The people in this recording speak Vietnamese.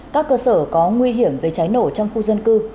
các cơ sở có nguy hiểm về cháy nổ trong khu dân cư